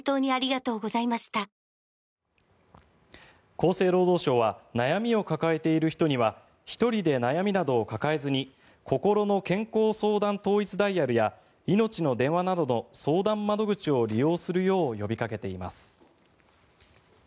厚生労働省は悩みを抱えている人には１人で悩みなどを抱えずにこころの健康相談統一ダイヤルやいのちの電話などの相談窓口を利用するよう呼びかけています。